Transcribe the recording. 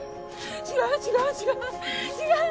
違う違う違う！